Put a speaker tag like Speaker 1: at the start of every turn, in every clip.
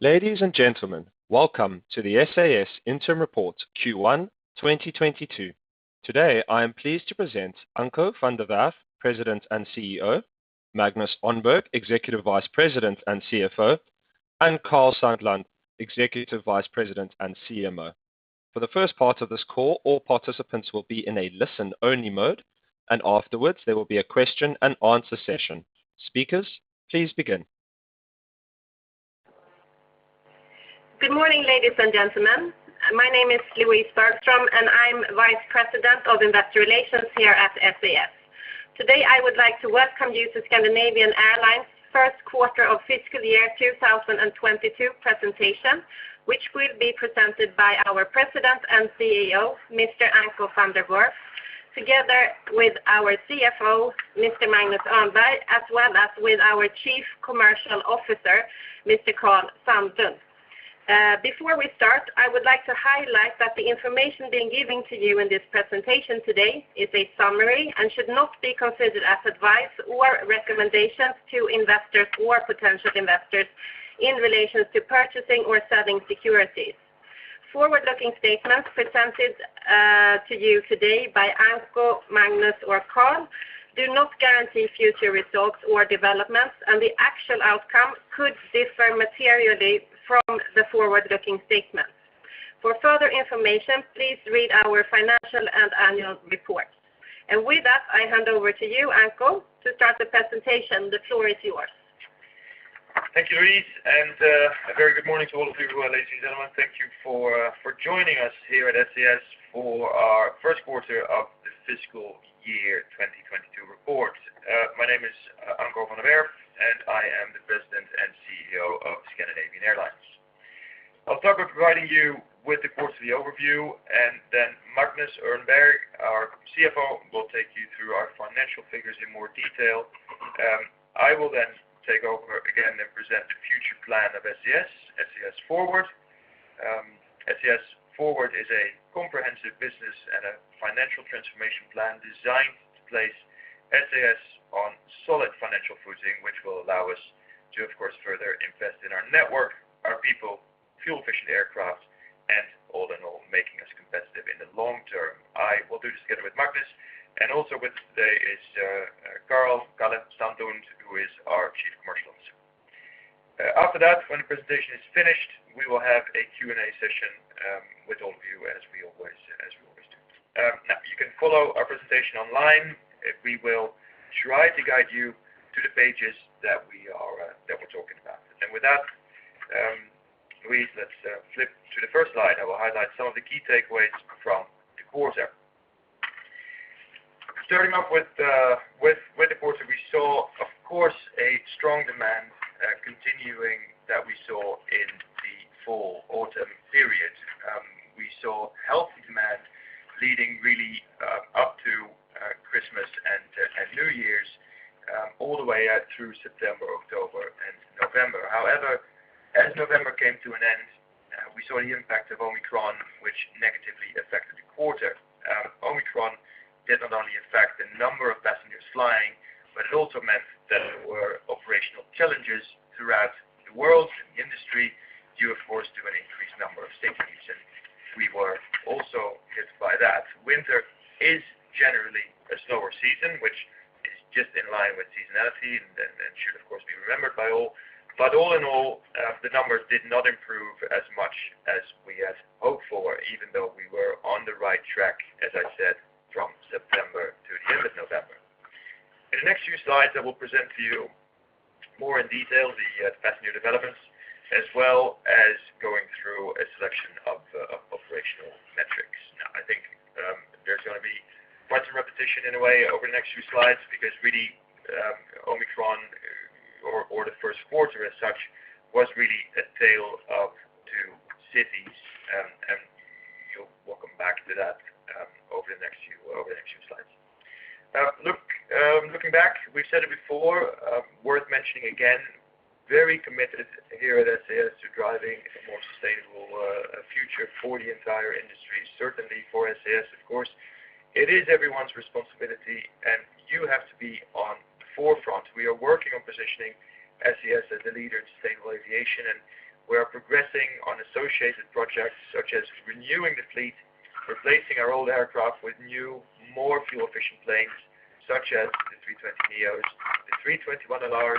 Speaker 1: Ladies and gentlemen, welcome to the SAS Interim Report Q1 2022. Today, I am pleased to present Anko van der Werff, President and CEO, Magnus Örnberg, Executive Vice President and CFO, and Karl Sandlund, Executive Vice President and CMO. For the first part of this call, all participants will be in a listen-only mode, and afterwards, there will be a question and answer session. Speakers, please begin.
Speaker 2: Good morning, ladies and gentlemen. My name is Louise Bergström, and I'm Vice President of Investor Relations here at SAS. Today, I would like to welcome you to Scandinavian Airlines first quarter of fiscal year 2022 presentation, which will be presented by our President and CEO, Mr. Anko van der Werff, together with our CFO, Mr. Magnus Örnberg, as well as with our Chief Commercial Officer, Mr. Karl Sandlund. Before we start, I would like to highlight that the information being given to you in this presentation today is a summary and should not be considered as advice or recommendations to investors or potential investors in relations to purchasing or selling securities. Forward-looking statements presented to you today by Anko, Magnus, or Karl do not guarantee future results or developments, and the actual outcome could differ materially from the forward-looking statements. For further information, please read our financial and annual report. With that, I hand over to you, Anko, to start the presentation. The floor is yours.
Speaker 3: Thank you, Louise, and a very good morning to all of you, ladies and gentlemen. Thank you for joining us here at SAS for our first quarter of the fiscal year 2022 report. My name is Anko van der Werff, and I am the President and CEO of Scandinavian Airlines. I'll start by providing you with, of course, the overview, and then Magnus Örnberg, our CFO, will take you through our financial figures in more detail. I will then take over again and present the future plan of SAS FORWARD. SAS FORWARD is a comprehensive business and a financial transformation plan designed to place SAS on solid financial footing, which will allow us to, of course, further invest in our network, our people, fuel-efficient aircraft, and all in all, making us competitive in the long term. I will do this together with Magnus, and also with us today is Karl Sandlund, who is our Chief Commercial Officer. After that, when the presentation is finished, we will have a Q&A session with all of you as we always do. You can follow our presentation online. We will try to guide you to the pages that we're talking about. With that, please let's flip to the first slide. I will highlight some of the key takeaways from the quarter. Starting off with the quarter, we saw, of course, a strong demand continuing that we saw in the fall, autumn period. We saw healthy demand leading really up to Christmas and New Year's all the way out through September, October, and November. However, as November came to an end, we saw the impact of Omicron, which negatively affected the quarter. Omicron did not only affect the number of passengers flying, but it also meant that there were operational challenges throughout the world and industry due, of course, to an increased number of sick leaves, and we were also hit by that. Winter is generally a slower season, which is just in line with seasonality and should, of course, be remembered by all. All in all, the numbers did not improve as much as we had hoped for, even though we were on the right track, as I said, from September to the end of November. In the next few slides, I will present to you more in detail the passenger developments, as well as going through a selection of operational metrics. I think, there's gonna be quite some repetition in a way over the next few slides because really, Omicron or the first quarter as such was really a tale of two cities, and we'll come back to that over the next few slides. Now look, looking back, we've said it before, worth mentioning again, very committed here at SAS to driving a more sustainable future for the entire industry, certainly for SAS, of course. It is everyone's responsibility, and you have to be on the forefront. We are working on positioning SAS as a leader in sustainable aviation, and we are progressing on associated projects such as renewing the fleet, replacing our old aircraft with new, more fuel-efficient planes, such as the A320neo, the A321LR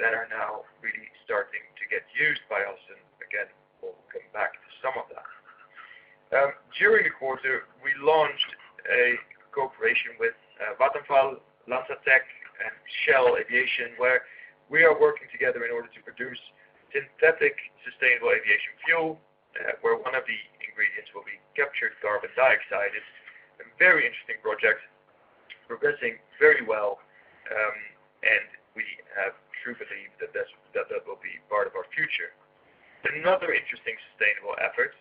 Speaker 3: that are now really starting to get used by us. Again, we'll come back to some of that. During the quarter, we launched a cooperation with Vattenfall, LanzaTech, and Shell Aviation, where we are working together in order to produce synthetic sustainable aviation fuel, where one of the ingredients will be captured carbon dioxide. It's a very interesting project, progressing very well, and we have true belief that that will be part of our future. Another interesting sustainable effort,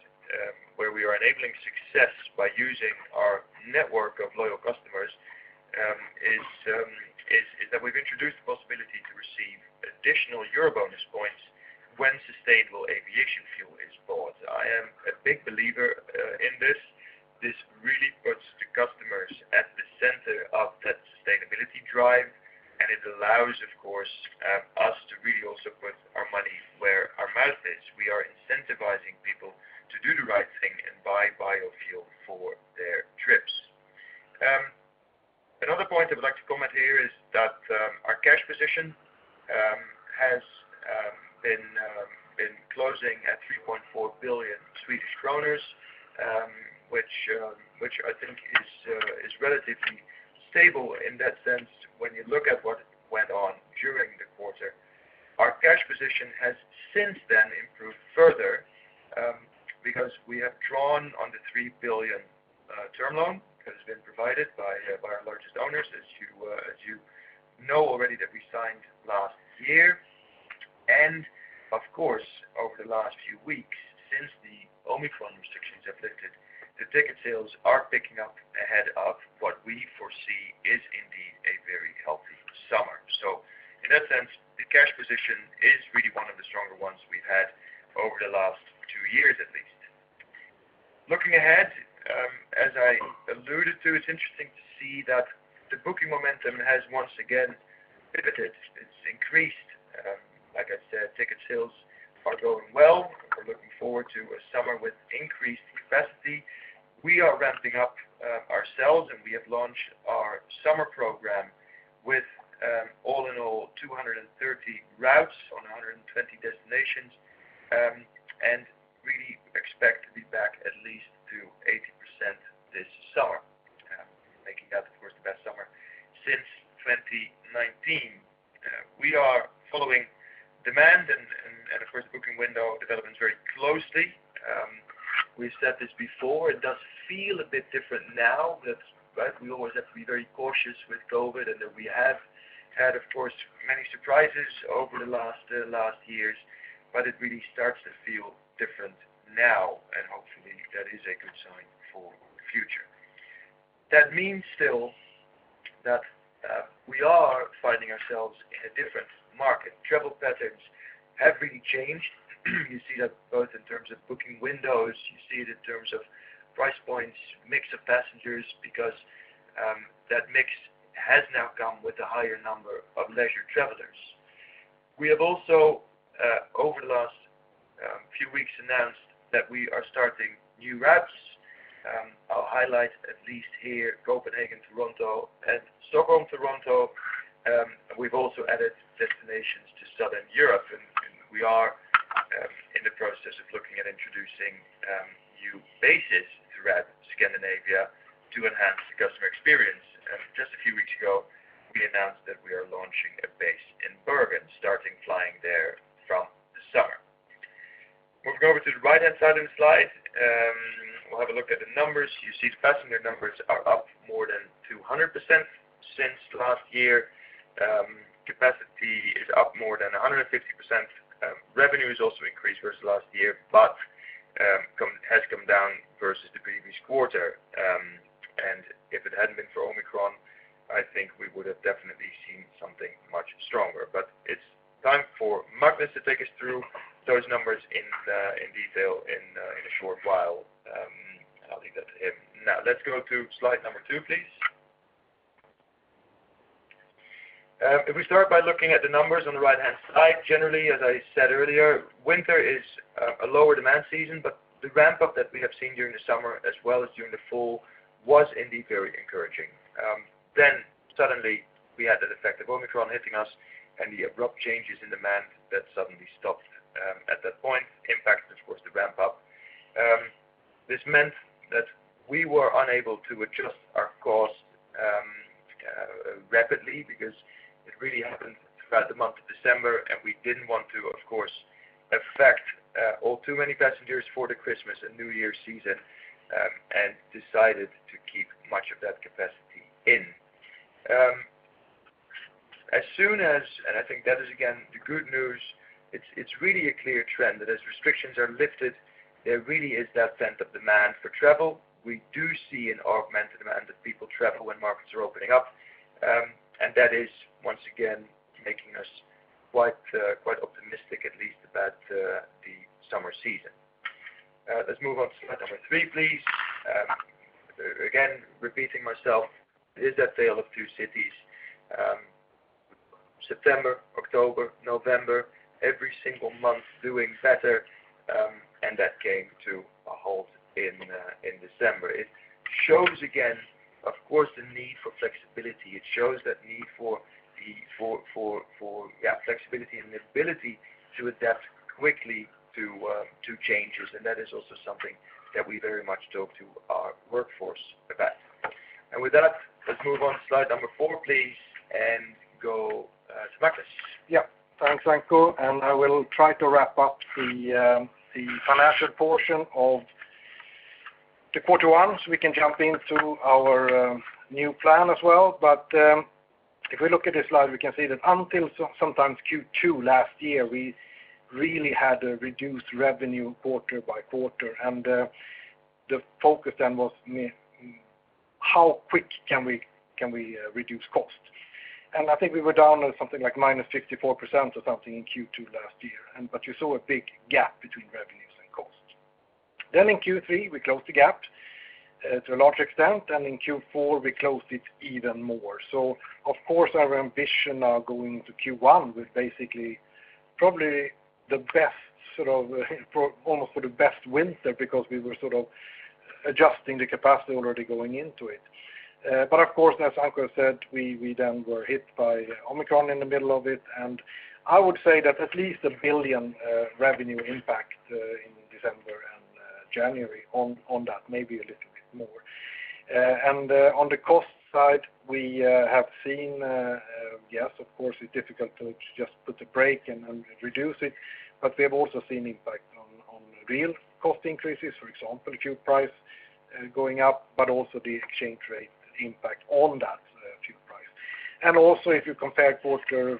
Speaker 3: where we are enabling success by using our network of loyal customers, is that we've introduced the possibility to receive additional EuroBonus points when sustainable aviation fuel is bought. I am a big believer in this. This is at the center of that sustainability drive, and it allows, of said this before, it does feel a bit different now, but we always have to be very cautious with COVID and that we have had, of course, many surprises over the last years, but it really starts to feel different now, and hopefully that is a good sign for the future. That means still that, we are finding ourselves in a different market. Travel patterns have really changed. You see that both in terms of booking windows, you see it in terms of price points, mix of passengers because, that mix has now come with a higher number of leisure travelers. We have also, over the last few weeks announced that we are starting new routes. I'll highlight at least here Copenhagen to Toronto and Stockholm to Toronto. We've also added destinations to Southern Europe and we are in the process of looking at introducing new bases throughout Scandinavia to enhance the customer experience. Just a few weeks ago, we announced that we are launching a base in Bergen, starting flying there from the summer. Moving over to the right-hand side of the slide, we'll have a look at the numbers. You see the passenger numbers are up more than 200% since last year. Capacity is up more than 150%. Revenue has also increased versus last year, but has come down versus the previous quarter. If it hadn't been for Omicron, I think we would've definitely seen something much stronger. It's time for Magnus to take us through those numbers in detail in a short while. I'll leave that to him. Now, let's go to slide number 2, please. If we start by looking at the numbers on the right-hand side, generally, as I said earlier, winter is a lower demand season, but the ramp up that we have seen during the summer as well as during the fall was indeed very encouraging. Suddenly we had that effect of Omicron hitting us and the abrupt changes in demand that suddenly stopped at that point, impacting of course, the ramp up. This meant that we were unable to adjust our cost rapidly because it really happened throughout the month of December, and we didn't want to, of course, affect all too many passengers for the Christmas and New Year season, and decided to keep much of that capacity in. I think that is again the good news. It's really a clear trend that as restrictions are lifted, there really is that pent-up demand for travel. We do see an augmented demand that people travel when markets are opening up. That is once again making us quite optimistic at least about the summer season. Let's move on to slide number three, please. Again, repeating myself, it is that tale of two cities. September, October, November, every single month doing better, and that came to a halt in December. It shows again, of course, the need for flexibility. It shows that need for flexibility and the ability to adapt quickly to changes. That is also something that we very much talk to our workforce about. With that, let's move on to slide number four, please, and go to Magnus.
Speaker 4: Yeah. Thanks, Anko. I will try to wrap up the financial portion of the quarter one so we can jump into our new plan as well. If we look at this slide, we can see that until Q2 last year, we really had a reduced revenue quarter by quarter. The focus then was how quick can we reduce cost? I think we were down on something like -54% or something in Q2 last year. You saw a big gap between revenues. In Q3, we closed the gap to a large extent, and in Q4 we closed it even more. Of course, our ambition now going to Q1 was basically probably the best sort of almost the best winter because we were sort of adjusting the capacity already going into it. Of course, as Anko said, we then were hit by Omicron in the middle of it. I would say that at least 1 billion revenue impact in December and January on that, maybe a little bit more. On the cost side, we have seen, yes, of course it's difficult to just put a brake and reduce it. We have also seen impact on real cost increases, for example, the fuel price going up, but also the exchange rate impact on that fuel price. Also if you compare quarter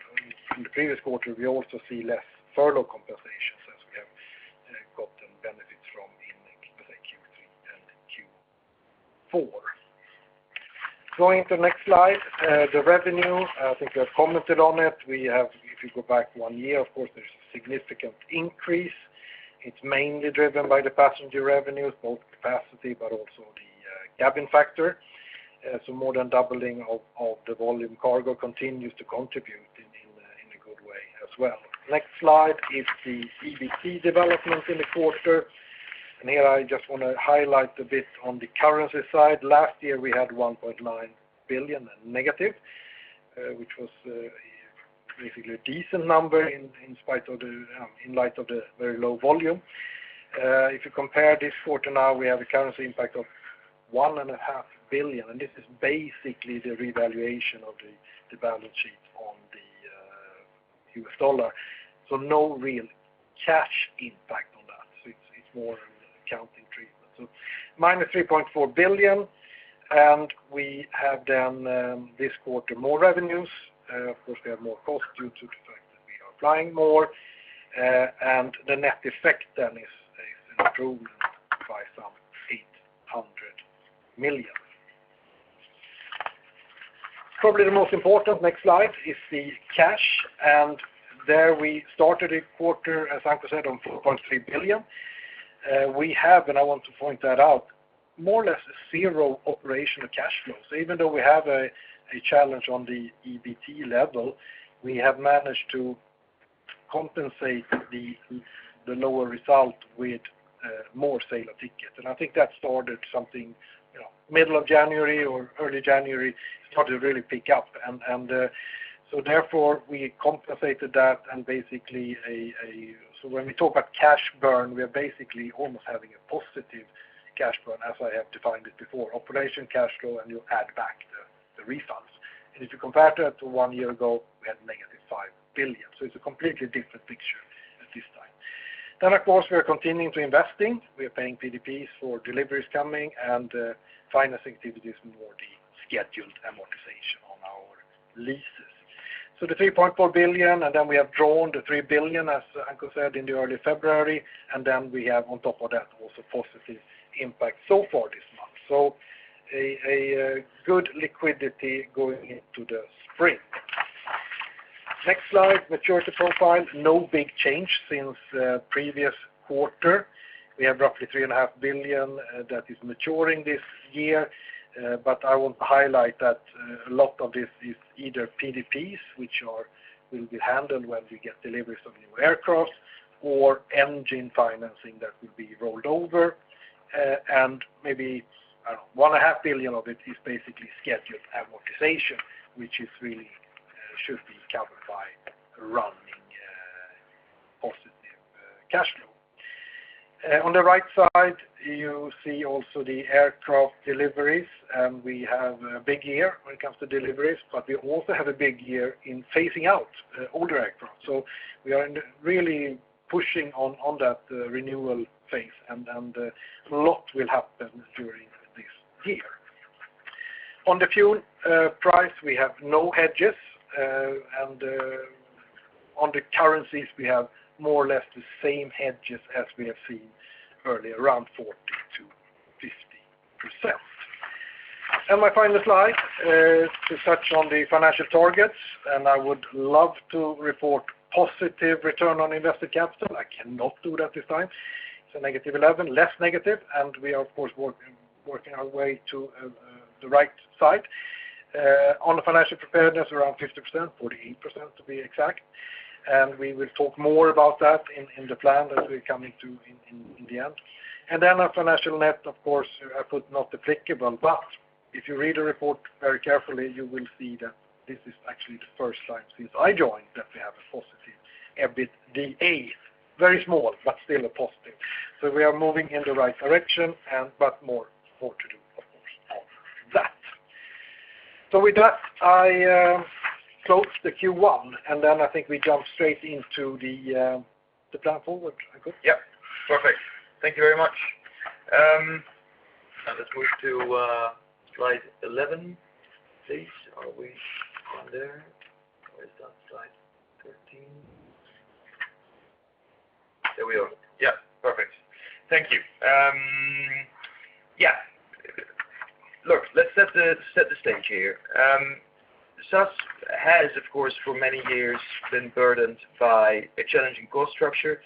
Speaker 4: from the previous quarter, we also see less furlough compensations as we have gotten benefits from in, say, Q3 and Q4. Going to the next slide, the revenue, I think I've commented on it. If you go back one year, of course, there's a significant increase. It's mainly driven by the passenger revenues, both capacity but also the load factor. So more than doubling of the volume cargo continues to contribute in a good way as well. Next slide is the EBT development in the quarter. Here I just want to highlight a bit on the currency side. Last year we had -1.9 billion, which was basically a decent number in spite of the in light of the very low volume. If you compare this quarter now we have a currency impact of 1.5 billion, and this is basically the revaluation of the balance sheet on the U.S. dollar. No real cash impact on that. It's more an accounting treatment. -3.4 billion, and we have then this quarter more revenues. Of course, we have more costs due to the fact that we are flying more. The net effect then is improved by some SEK 800 million. Probably the most important, next slide, is the cash. There we started a quarter, as Anko said, on 4.3 billion. We have, and I want to point that out, more or less zero operational cash flows. Even though we have a challenge on the EBT level, we have managed to compensate the lower result with more sale of ticket. I think that started something, you know, middle of January or early January, started to really pick up. Therefore we compensated that and basically... When we talk about cash burn, we are basically almost having a positive cash burn as I have defined it before, operating cash flow, and you add back the refunds. If you compare that to one year ago, we had negative 5 billion. It's a completely different picture at this time. Of course, we are continuing to investing. We are paying PDPs for deliveries coming and financing activities more the scheduled amortization on our leases. The 3.4 billion, and then we have drawn the 3 billion, as Anko said, in early February, and then we have on top of that also positive impact so far this month. Good liquidity going into the spring. Next slide, maturity profile. No big change since previous quarter. We have roughly 3.5 billion that is maturing this year. But I will highlight that a lot of this is either PDPs, which will be handled when we get deliveries of new aircraft or engine financing that will be rolled over. And maybe, I don't know, 1.5 billion of it is basically scheduled amortization, which really should be covered by running positive cash flow. On the right side, you see also the aircraft deliveries, and we have a big year when it comes to deliveries, but we also have a big year in phasing out older aircraft. We are really pushing on that renewal phase and a lot will happen during this year. On the fuel price, we have no hedges. On the currencies, we have more or less the same hedges as we have seen earlier, around 40%-50%. My final slide to touch on the financial targets, and I would love to report positive return on invested capital. I cannot do that this time. Negative eleven, less negative, and we are of course working our way to the right side. On the financial preparedness, around 50%, 48% to be exact. We will talk more about that in the plan that we're coming to in the end. Then our financial net, of course, I put not applicable, but if you read the report very carefully, you will see that this is actually the first time since I joined that we have a positive EBITDA. Very small, but still a positive. We are moving in the right direction, but more to do of course on that. With that, I close the Q1, and then I think we jump straight into the plan forward. Anko?
Speaker 3: Yeah. Perfect. Thank you very much. Let's move to slide 11, please. Are we there? Where's that slide? 13. There we are. Yeah. Perfect. Thank you. Yeah. To set the stage here, SAS has, of course, for many years been burdened by a challenging cost structure,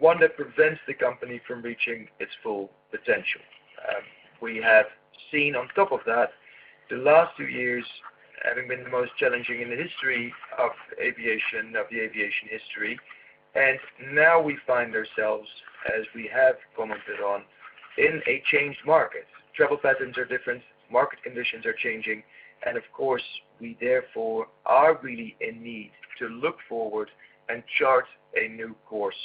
Speaker 3: one that prevents the company from reaching its full potential. We have seen on top of that the last two years having been the most challenging in the history of aviation, of the aviation history. Now we find ourselves, as we have commented on, in a changed market. Travel patterns are different, market conditions are changing, and of course, we therefore are really in need to look forward and chart a new course,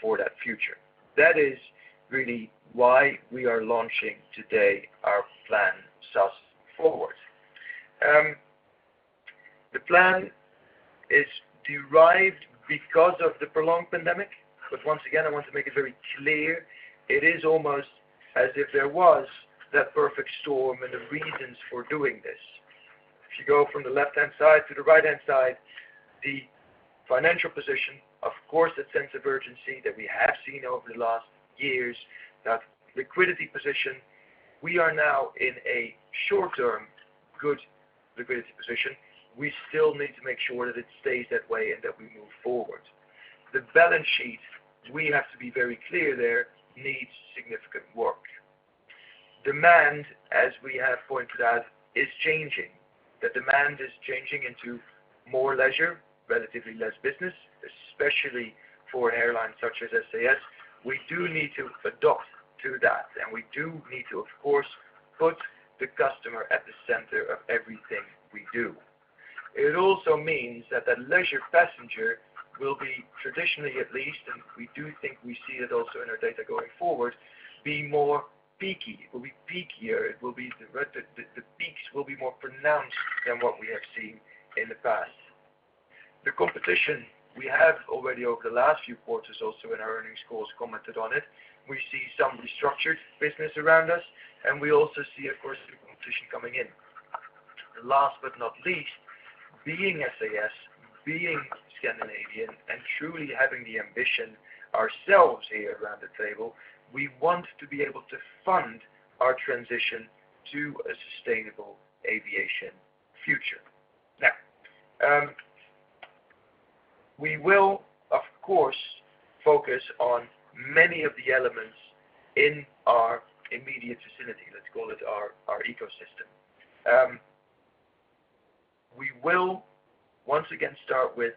Speaker 3: for that future. That is really why we are launching today our SAS FORWARD. The plan is derived because of the prolonged pandemic, but once again, I want to make it very clear, it is almost as if there was that perfect storm and the reasons for doing this. If you go from the left-hand side to the right-hand side, the financial position, of course, that sense of urgency that we have seen over the last years, that liquidity position, we are now in a short-term good liquidity position. We still need to make sure that it stays that way and that we move forward. The balance sheet, we have to be very clear there, needs significant work. Demand, as we have pointed out, is changing. The demand is changing into more leisure, relatively less business, especially for airlines such as SAS. We do need to adapt to that, and we do need to, of course, put the customer at the center of everything we do. It also means that the leisure passenger will be traditionally at least, and we do think we see it also in our data going forward, being more peaky. It will be peakier. It will be the peaks will be more pronounced than what we have seen in the past. The competition we have already over the last few quarters also in our earnings calls commented on it. We see some restructured business around us, and we also see, of course, new competition coming in. Last but not least, being SAS, being Scandinavian, and truly having the ambition ourselves here around the table, we want to be able to fund our transition to a sustainable aviation future. Now, we will of course focus on many of the elements in our immediate vicinity. Let's call it our ecosystem. We will once again start with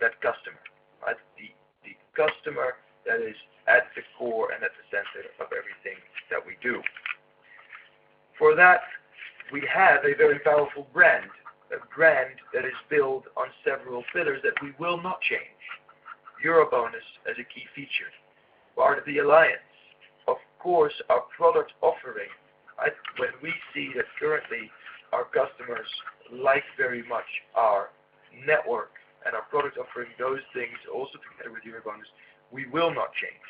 Speaker 3: that customer, right? The customer that is at the core and at the center of everything that we do. For that, we have a very powerful brand, a brand that is built on several pillars that we will not change. EuroBonus as a key feature, part of the alliance. Of course, our product offering. When we see that currently our customers like very much our network and our product offering, those things also together with EuroBonus, we will not change.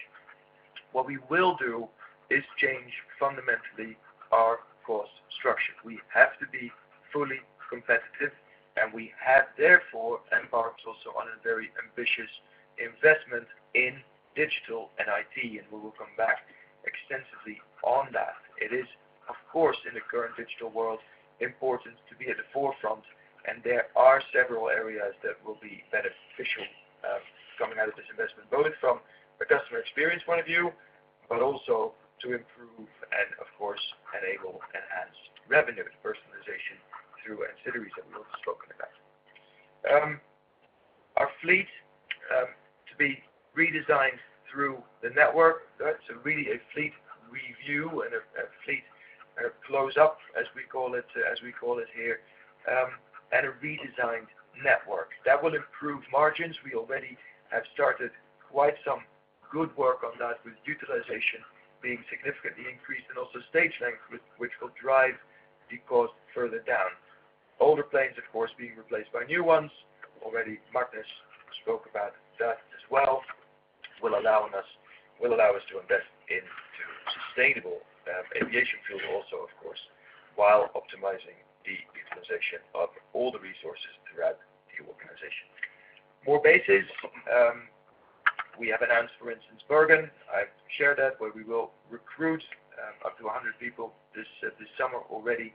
Speaker 3: What we will do is change fundamentally our cost structure. We have to be fully competitive, and we have therefore embarked also on a very ambitious investment in digital and IT, and we will come back extensively on that. It is of course in the current digital world, important to be at the forefront and there are several areas that will be beneficial, coming out of this investment, both from a customer experience point of view, but also to improve and of course enable enhanced revenues, personalization through ancillaries that we also spoken about. Our fleet to be redesigned through the network. That's really a fleet review and a fleet close up as we call it here, and a redesigned network. That will improve margins. We already have started quite some good work on that with utilization being significantly increased and also stage length which will drive the cost further down. Older planes of course being replaced by new ones. Already, Magnus spoke about that as well, will allow us to invest into sustainable aviation fuel also of course, while optimizing the utilization of all the resources throughout the organization. More bases we have announced, for instance, Bergen. I've shared that, where we will recruit up to 100 people this summer already.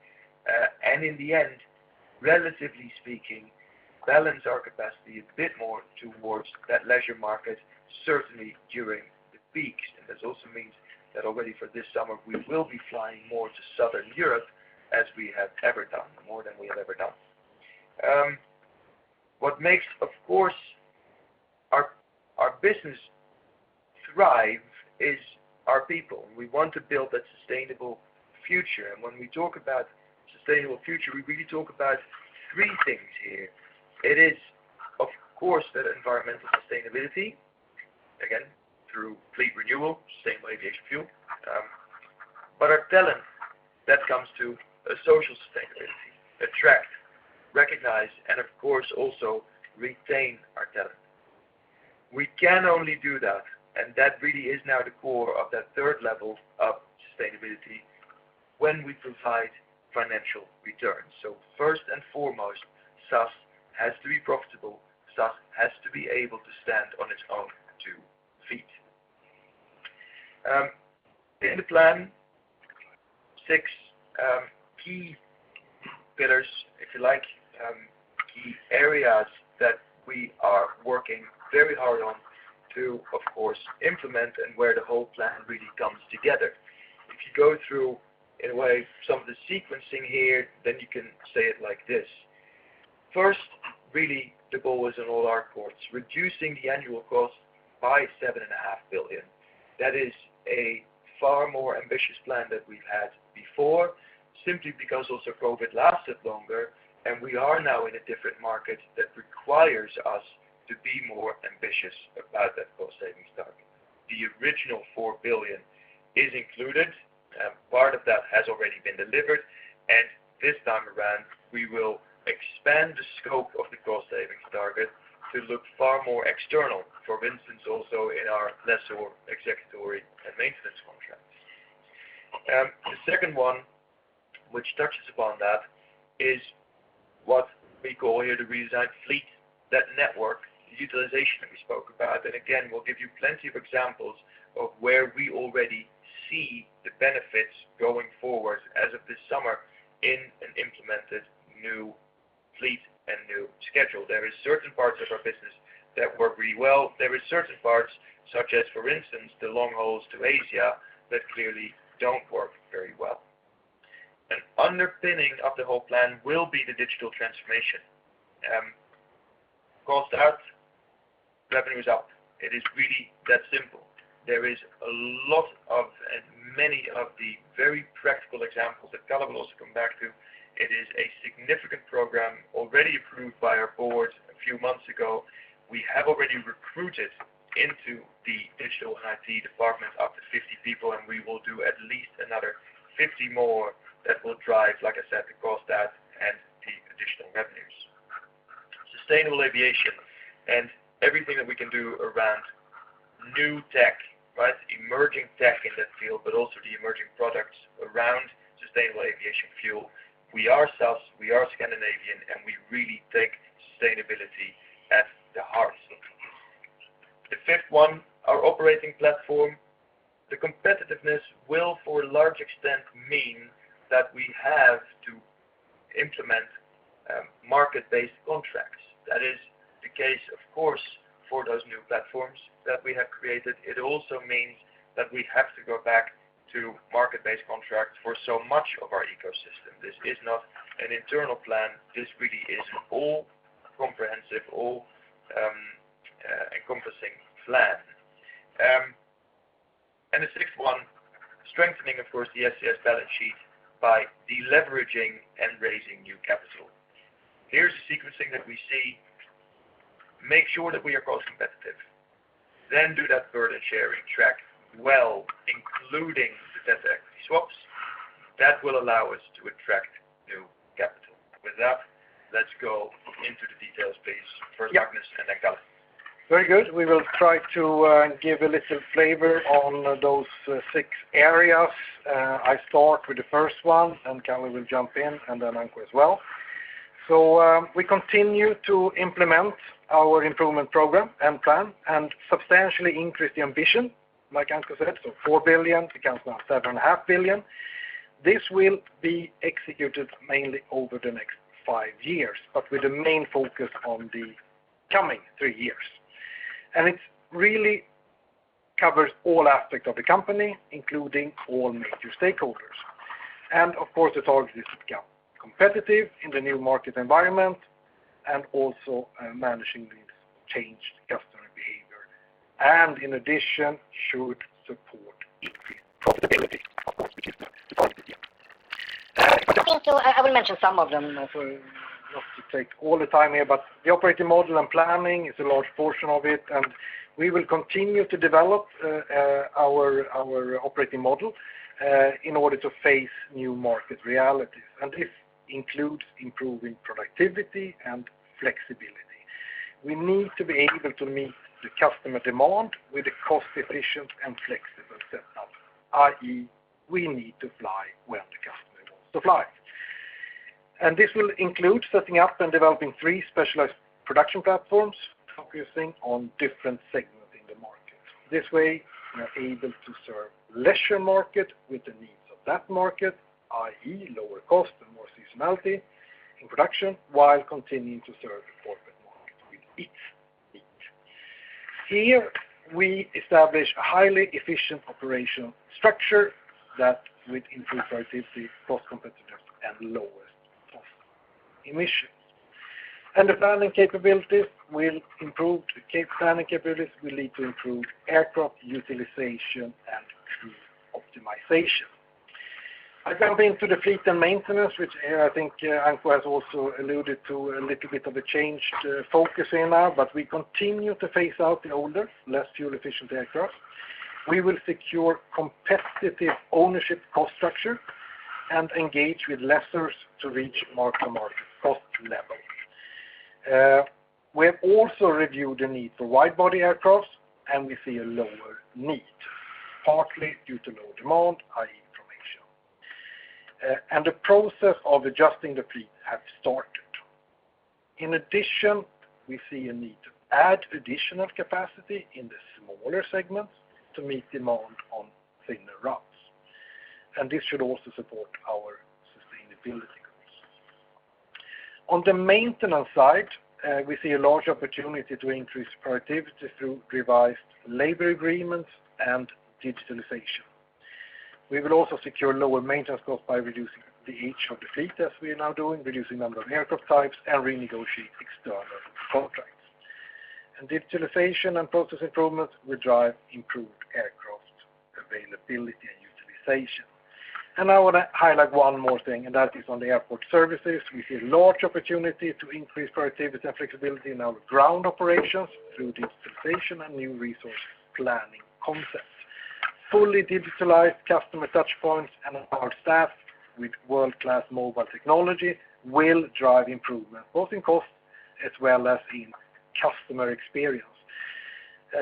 Speaker 3: In the end, relatively speaking, balance our capacity a bit more towards that leisure market, certainly during the peaks. This also means that already for this summer we will be flying more to Southern Europe than we have ever done. What makes, of course, our business thrive is our people. We want to build a sustainable future. When we talk about sustainable future, we really talk about three things here. It is, of course, that environmental sustainability, again through fleet renewal, sustainable aviation fuel. When it comes to social sustainability, attract, recognize, and of course also retain our talent. We can only do that, and that really is now the core of that third level of sustainability when we provide financial returns. First and foremost, SAS has to be profitable. SAS has to be able to stand on its own. In the plan, six key pillars, if you like, key areas that we are working very hard on to, of course, implement and where the whole plan really comes together. If you go through, in a way, some of the sequencing here, then you can say it like this. First, really, the goal is in all our ports, reducing the annual cost by 7.5 billion. That is a far more ambitious plan that we've had before, simply because also COVID lasted longer, and we are now in a different market that requires us to be more ambitious about that cost savings target. The original 4 billion is included, part of that has already been delivered. This time around, we will expand the scope of the cost savings target to look far more external, for instance, also in our lessor executory and maintenance contracts. The second one, which touches upon that, is what we call here the retired fleet, that network utilization that we spoke about. We'll give you plenty of examples of where we already see the benefits going forward as of this summer in an implemented new fleet and new schedule. There are certain parts of our business that work really well. There are certain parts, such as, for instance, the long hauls to Asia, that clearly don't work very well. An underpinning of the whole plan will be the digital transformation. Cost out, revenue is up. It is really that simple. There is a lot of and many of the very practical examples that Karl will also come back to. It is a significant program already approved by our board a few months ago. We have already recruited into the digital and IT department up to 50 people, and we will do at least another 50 more that will drive, like I said, the cost out and the additional revenues. Sustainable aviation and everything that we can do around new tech, right? Emerging tech in that field, but also the emerging products around sustainable aviation fuel. We ourselves, we are Scandinavian, and we really take sustainability at the heart. The fifth one, our operating platform. The competitiveness will, for a large extent, mean that we have to implement market-based contracts. That is the case, of course, for those new platforms that we have created. It also means that we have to go back to market-based contracts for so much of our ecosystem. This is not an internal plan. This really is an all comprehensive encompassing plan. The sixth one, strengthening, of course, the SAS balance sheet by deleveraging and raising new capital. Here's the sequencing that we see. Make sure that we are cost competitive, then do that burden sharing track well, including the debt equity swaps. That will allow us to attract new capital. With that, let's go into the details, please.
Speaker 4: Yeah.
Speaker 3: First, Magnus, and then Karl.
Speaker 4: Very good. We will try to give a little flavor on those 6 areas. I start with the first one, and Karl will jump in, and then Anko as well. We continue to implement our improvement program and plan and substantially increase the ambition, like Anko said. 4 billion becomes now 7.5 billion. This will be executed mainly over the next 5 years, but with the main focus on the coming 3 years. It really covers all aspects of the company, including all major stakeholders. Of course, the target is to become competitive in the new market environment and also managing the changed customer behavior, and in addition, should support increased profitability, of course, which is the target here. I will mention some of them for not to take all the time here, but the operating model and planning is a large portion of it, and we will continue to develop our operating model in order to face new market realities, and this includes improving productivity and flexibility. We need to be able to meet the customer demand with a cost-efficient and flexible setup, i.e., we need to fly where the customer wants to fly. This will include setting up and developing three specialized production platforms focusing on different segments in the market. This way, we are able to serve leisure market with the needs of that market, i.e., lower cost and more seasonality in production, while continuing to serve the corporate market with its needs. Here we establish a highly efficient operational structure that with improved productivity, cost competitive and lower cost emissions. The planning capabilities will improve the planning capabilities will lead to improved aircraft utilization and crew optimization. I jump into the fleet and maintenance, which I think, Anko has also alluded to a little bit of a changed focus in now, but we continue to phase out the older, less fuel-efficient aircraft. We will secure competitive ownership cost structure and engage with lessors to reach mark to market cost level. We have also reviewed the need for wide-body aircraft, and we see a lower need, partly due to low demand, i.e., and the process of adjusting the fleet have started. In addition, we see a need to add additional capacity in the smaller segments to meet demand on thinner routes. This should also support our sustainability goals. On the maintenance side, we see a large opportunity to increase productivity through revised labor agreements and digitalization. We will also secure lower maintenance costs by reducing the age of the fleet as we are now doing, reducing number of aircraft types and renegotiate external contracts. Digitalization and process improvements will drive improved aircraft availability and utilization. I want to highlight one more thing, and that is on the airport services. We see a large opportunity to increase productivity and flexibility in our ground operations through digitization and new resource planning concepts. Fully digitalized customer touch points and our staff with world-class mobile technology will drive improvement, both in cost as well as in customer experience.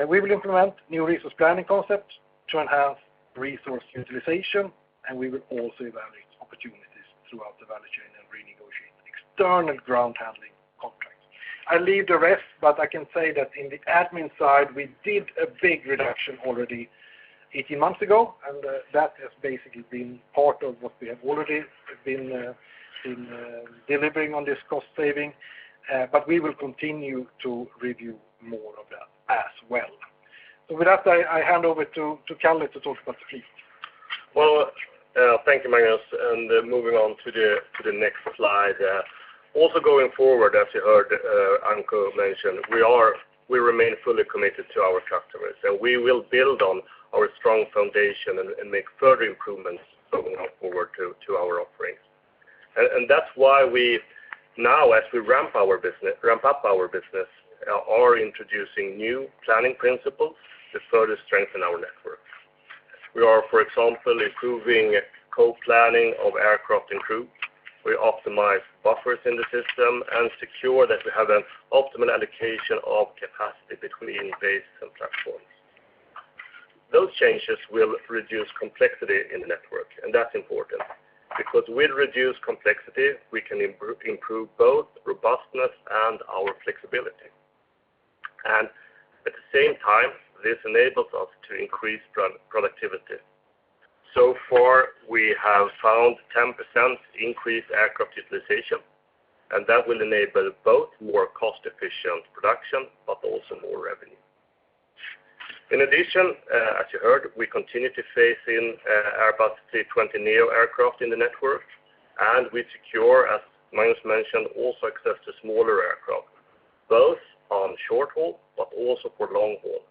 Speaker 4: We will implement new resource planning concepts to enhance resource utilization, and we will also evaluate opportunities throughout the value chain and renegotiate external ground handling contracts. I leave the rest, but I can say that in the admin side, we did a big reduction already 18 months ago, and that has basically been part of what we have already been delivering on this cost saving. But we will continue to review more of that as well. With that, I hand over to Karl to talk about the fleet.
Speaker 5: Well, thank you, Magnus, and moving on to the next slide. Also going forward, as you heard, Anko mention, we remain fully committed to our customers, and we will build on our strong foundation and make further improvements going forward to our offerings. That's why we now, as we ramp up our business, are introducing new planning principles to further strengthen our network. We are, for example, improving co-planning of aircraft and crew. We optimize buffers in the system and secure that we have an optimal allocation of capacity between base and platforms. Those changes will reduce complexity in the network, and that's important because with reduced complexity, we can improve both robustness and our flexibility. At the same time, this enables us to increase productivity. So far, we have found 10% increased aircraft utilization, and that will enable both more cost-efficient production, but also more revenue. In addition, as you heard, we continue to phase in Airbus A320neo aircraft in the network, and we secure, as Magnus mentioned, also access to smaller aircraft, both on short haul, but also for long haul.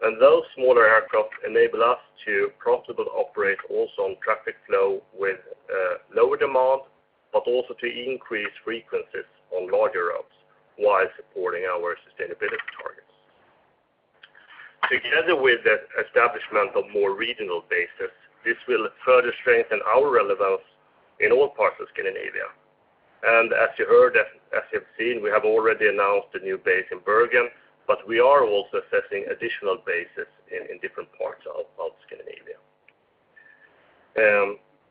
Speaker 5: Those smaller aircraft enable us to profitably operate also on traffic flow with lower demand, but also to increase frequencies on larger routes while supporting our sustainability targets. Together with the establishment of more regional bases, this will further strengthen our relevance in all parts of Scandinavia. As you heard, as you've seen, we have already announced a new base in Bergen, but we are also assessing additional bases in different parts of Scandinavia.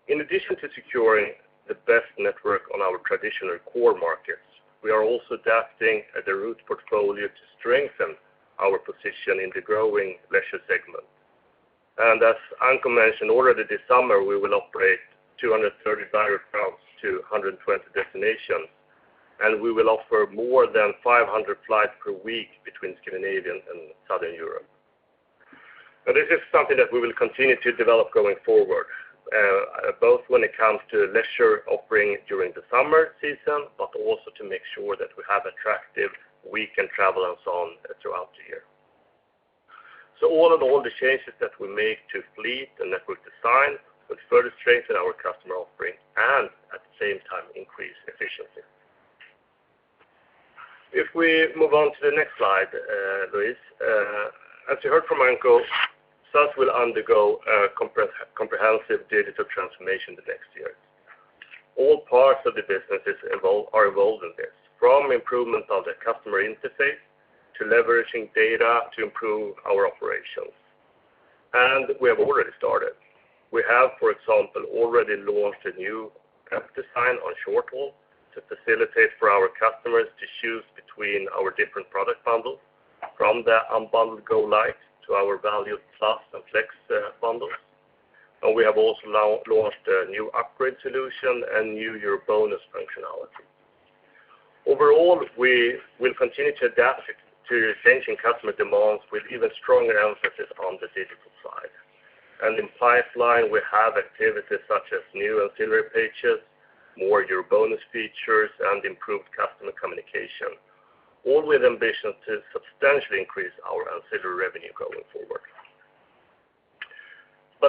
Speaker 5: In addition to securing the best network on our traditional core markets, we are also adapting the route portfolio to strengthen our position in the growing leisure segment. As Anko mentioned already, this summer we will operate 235 routes to 120 destinations, and we will offer more than 500 flights per week between Scandinavia and Southern Europe. Now, this is something that we will continue to develop going forward, both when it comes to leisure offering during the summer season, but also to make sure that we have attractive weekend travel and so on throughout the year. All in all, the changes that we make to fleet and network design will further strengthen our customer offering and at the same time increase efficiency. If we move on to the next slide, Louise, as you heard from Anko, SAS will undergo a comprehensive digital transformation the next years. All parts of the businesses are involved in this, from improvement of the customer interface to leveraging data to improve our operations. We have already started. We have, for example, already launched a new app design on short haul to facilitate for our customers to choose between our different product bundles, from the unbundled SAS Go Light to our SAS Plus and SAS Go Flex bundles. We have also launched a new upgrade solution and new EuroBonus functionality. Overall, we will continue to adapt to changing customer demands with even stronger emphasis on the digital side. In pipeline, we have activities such as new ancillary pages, more EuroBonus features, and improved customer communication, all with ambition to substantially increase our ancillary revenue going forward.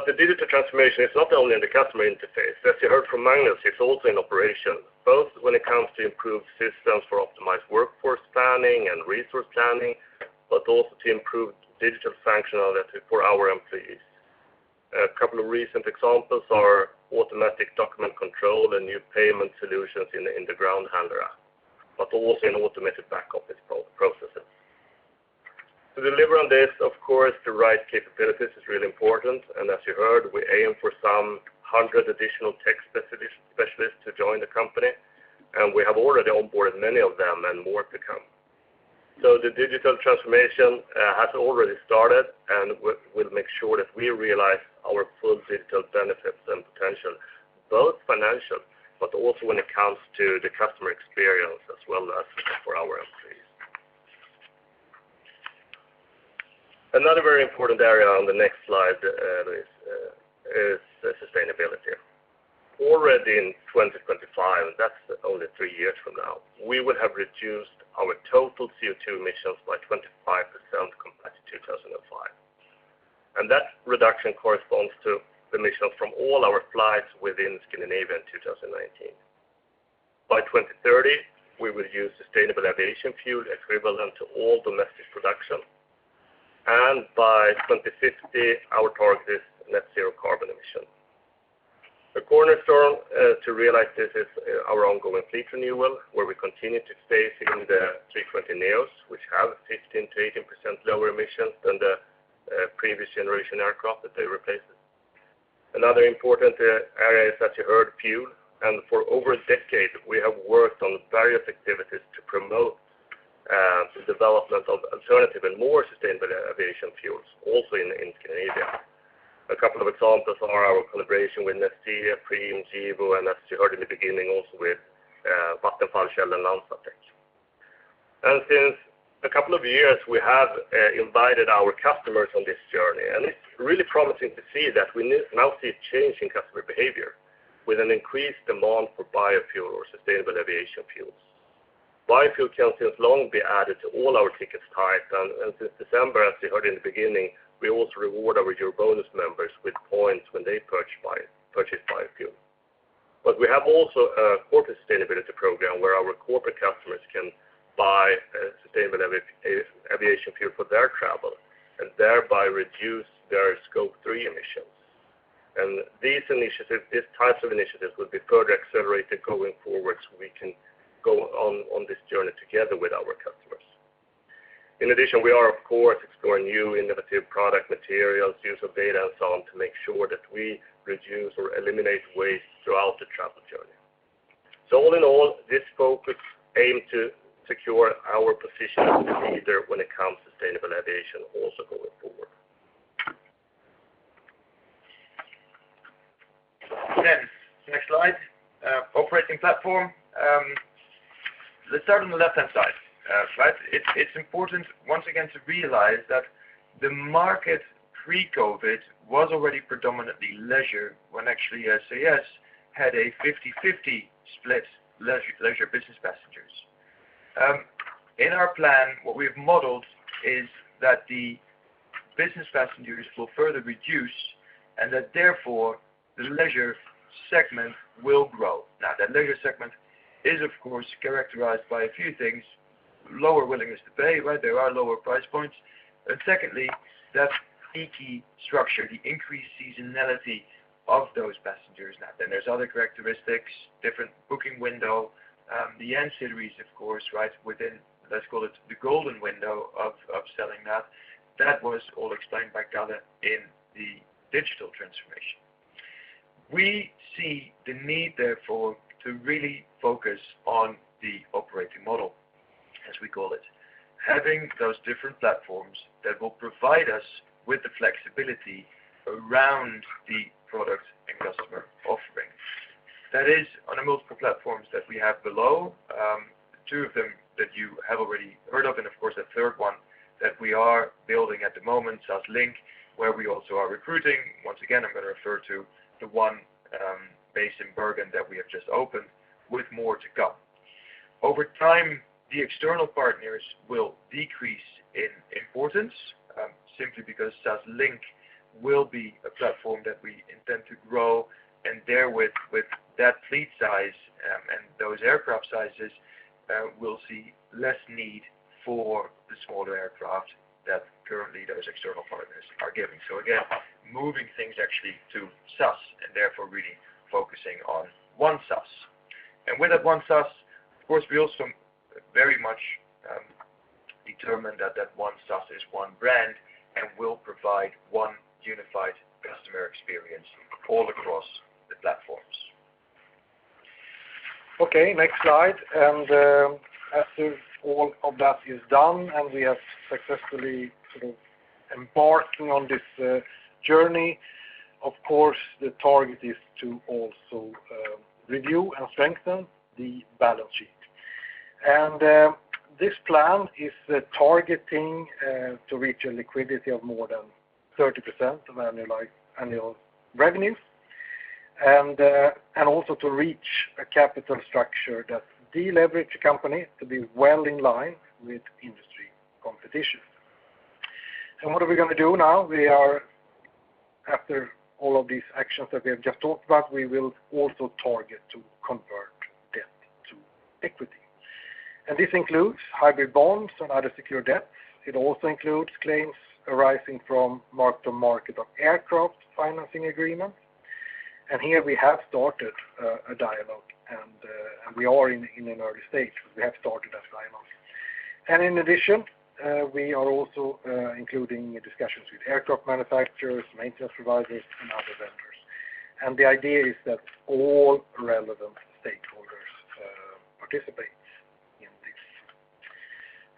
Speaker 5: The digital transformation is not only in the customer interface. As you heard from Magnus, it's also in operation, both when it comes to improved systems for optimized workforce planning and resource planning, but also to improved digital functionality for our employees. A couple of recent examples are automatic document control and new payment solutions in the ground handler app, but also in automated back-office processes. To deliver on this, of course, the right capabilities is really important. As you heard, we aim for some hundred additional tech specialists to join the company, and we have already onboarded many of them and more to come. The digital transformation has already started, and we'll make sure that we realize our full digital benefits and potential, both financial, but also when it comes to the customer experience as well as for our employees. Another very important area on the next slide is sustainability. Already in 2025, that's only three years from now, we will have reduced our total CO2 emissions by 25% compared to 2005. That reduction corresponds to emissions from all our flights within Scandinavia in 2019. By 2030, we will use sustainable aviation fuel equivalent to all domestic production. By 2050, our target is net zero carbon emission. The cornerstone to realize this is our ongoing fleet renewal, where we continue to stay in the A320neos, which have 15%-18% lower emissions than the previous generation aircraft that they replaced. Another important area, as you heard, fuel. For over a decade, we have worked on various activities to promote the development of alternative and more sustainable aviation fuels also in Scandinavia. A couple of examples are our collaboration with Neste, Preem, Gevo, and as you heard in the beginning, also with Vattenfall, Shell, and LanzaTech. Since a couple of years, we have invited our customers on this journey, and it's really promising to see that we now see a change in customer behavior with an increased demand for biofuel or sustainable aviation fuels. Biofuel can since long be added to all our ticket types, and since December, as you heard in the beginning, we also reward our EuroBonus members with points when they purchase biofuel. We have also a corporate sustainability program where our corporate customers can buy sustainable aviation fuel for their travel and thereby reduce their Scope 3 emissions. These initiatives, these types of initiatives will be further accelerated going forward so we can go on this journey together with our customers. In addition, we are of course exploring new innovative product materials, use of data and so on to make sure that we reduce or eliminate waste throughout the travel journey. All in all, this focus aim to secure our position as a leader when it comes to sustainable aviation also going forward.
Speaker 3: Next slide, operating platform. Let's start on the left-hand side. Right? It's important once again to realize that the market pre-COVID was already predominantly leisure when actually SAS had a 50-50 split leisure business passengers. In our plan, what we've modeled is that the business passengers will further reduce and that therefore the leisure segment will grow. Now, that leisure segment is of course characterized by a few things, lower willingness to pay, right? There are lower price points. Secondly, that peaky structure, the increased seasonality of those passengers. Now then there's other characteristics, different booking window, the ancillaries of course, right? Within, let's call it the golden window of selling that. That was all explained by Gala in the digital transformation. We see the need therefore to really focus on the operating model, as we call it, having those different platforms that will provide us with the flexibility around the product and customer offering. That is on the multiple platforms that we have below, two of them that you have already heard of, and of course, a third one that we are building at the moment, SAS Link, where we also are recruiting. Once again, I'm gonna refer to the one based in Bergen that we have just opened with more to come. Over time, the external partners will decrease in importance, simply because SAS Link will be a platform that we intend to grow, and therewith with that fleet size and those aircraft sizes, we'll see less need for the smaller aircraft that currently those external partners are giving. Again, moving things actually to SAS and therefore really focusing on one SAS. With that one SAS, of course, we also very much determine that that one SAS is one brand and will provide one unified customer experience all across the platforms.
Speaker 4: Okay, next slide. After all of that is done, and we are successfully sort of embarking on this journey, of course, the target is to also review and strengthen the balance sheet. This plan is targeting to reach a liquidity of more than 30% of annual revenues and also to reach a capital structure that de-leverage the company to be well in line with industry competition. What are we gonna do now? After all of these actions that we have just talked about, we will also target to convert debt to equity. This includes hybrid bonds and other secured debts. It also includes claims arising from mark to market of aircraft financing agreements. Here we have started a dialogue and we are in an early stage, but we have started that dialogue. In addition, we are also including discussions with aircraft manufacturers, maintenance providers, and other vendors. The idea is that all relevant stakeholders participate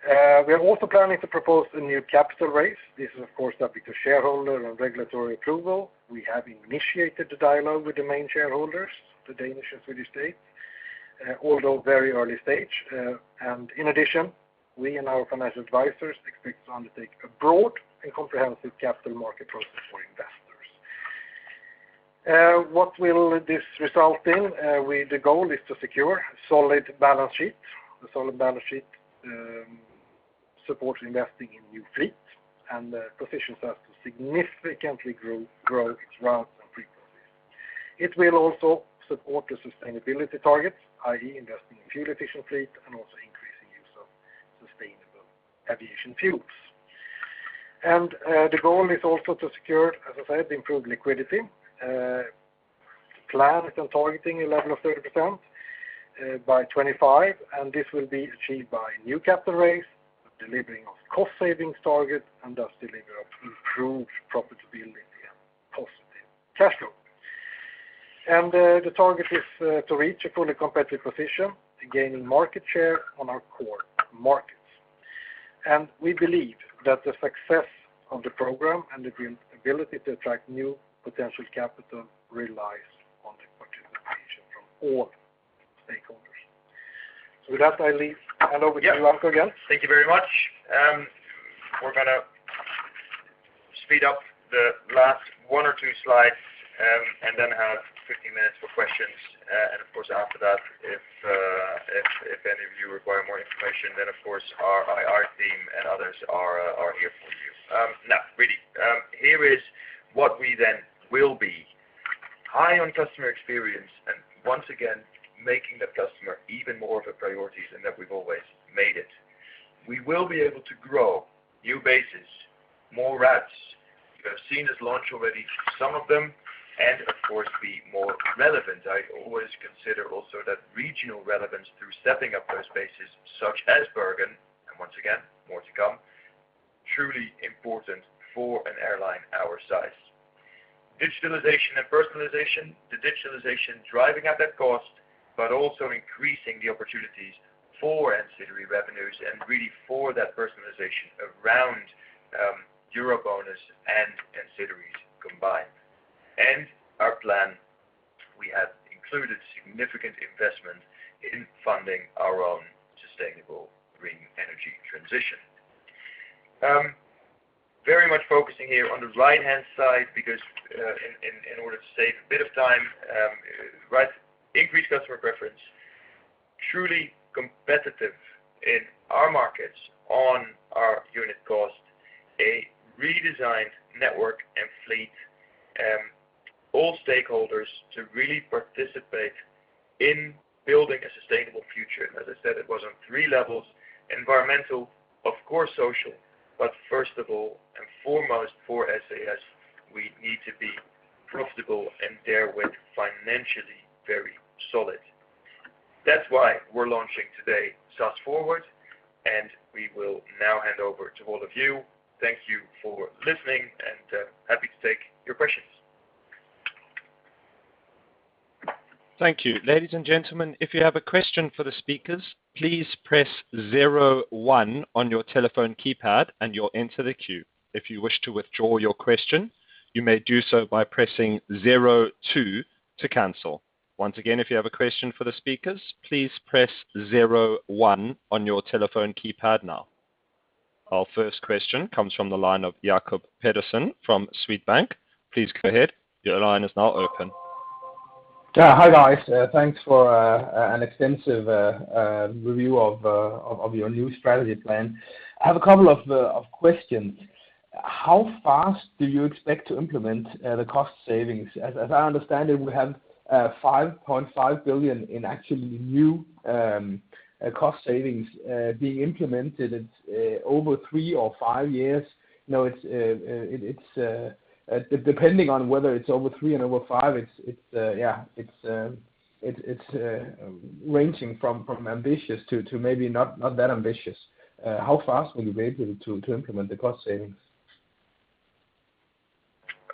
Speaker 4: in this. We are also planning to propose a new capital raise. This is of course subject to shareholder and regulatory approval. We have initiated the dialogue with the main shareholders, the Danish and Swedish state, although very early stage. In addition, we and our financial advisors expect to undertake a broad and comprehensive capital market process for investors. What will this result in? The goal is to secure solid balance sheet. A solid balance sheet supports investing in new fleet and positions us to significantly grow its routes and frequencies. It will also support the sustainability targets, i.e. Investing in fuel efficient fleet and also increasing use of sustainable aviation fuels. The goal is also to secure, as I said, improved liquidity, plan and targeting a level of 30% by 2025, and this will be achieved by new capital raise, delivering of cost savings target, and thus deliver of improved profitability and positive cash flow. The target is to reach a fully competitive position to gain market share on our core markets. We believe that the success of the program and the ability to attract new potential capital relies on the participation from all stakeholders. With that, I leave hand over to Johan again.
Speaker 3: Thank you very much. We're gonna speed up the last 1 or 2 slides and then have 15 minutes for questions. Of course, after that, if any of you require more information, then of course our IR team and others are here for you. Now, really, here is what we then will be high on customer experience and once again, making the customer even more of a priority than that we've always made it. We will be able to grow new bases, more routes. You have seen this launch already, some of them, and of course be more relevant. I always consider also that regional relevance through stepping up those bases such as Bergen, and once again, more to come, truly important for an airline our size. Digitalization and personalization, the digitalization driving out that cost, but also increasing the opportunities for ancillary revenues and really for that personalization around EuroBonus and ancillaries combined. Our plan, we have included significant investment in funding our own sustainable green energy transition. Very much focusing here on the right-hand side because in order to save a bit of time, right, increased customer preference, truly competitive in our markets on our unit cost, a redesigned network and fleet, all stakeholders to really participate in building a sustainable future. As I said, it was on three levels, environmental, of course social, but first of all and foremost for SAS, we need to be profitable and therewith financially very solid. That's why we're launching today SAS Forward, and we will now hand over to all of you. Thank you for listening and happy to take your questions.
Speaker 1: Thank you. Ladies and gentlemen, if you have a question for the speakers, please press zero one on your telephone keypad and you'll enter the queue. If you wish to withdraw your question, you may do so by pressing zero two to cancel. Once again, if you have a question for the speakers, please press zero one on your telephone keypad now. Our first question comes from the line of Jacob Pedersen from Sydbank. Please go ahead. Your line is now open.
Speaker 6: Yeah. Hi, guys. Thanks for an extensive review of your new strategy plan. I have a couple of questions. How fast do you expect to implement the cost savings? As I understand it, we have 5.5 billion in actually new cost savings being implemented. It's over three or five years. Now it's depending on whether it's over three and over five. It's ranging from ambitious to maybe not that ambitious. How fast will you be able to implement the cost savings?